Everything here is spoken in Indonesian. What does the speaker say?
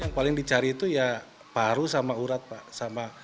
yang paling dicari itu ya paru sama urat pak sama